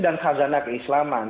dan khazanah keislaman